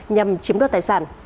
nhằm chiếm đoạt tài sản